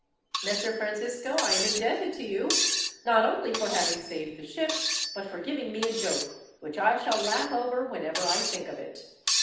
Messer Francisco, I am indebted to you, not only for having saved the ship, but for giving me a joke, which I shall laugh over whenever I think of it.